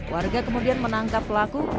warga kemudian menangkap pelaku